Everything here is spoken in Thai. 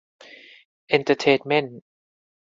เอ็นเตอร์เทนเมนต์